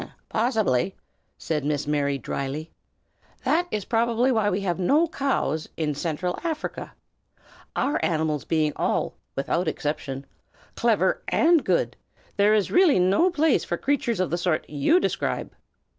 "Hem! possibly!" said Miss Mary, dryly. "That is probably why we have no cows in Central Africa. Our animals being all, without exception, clever and good, there is really no place for creatures of the sort you describe."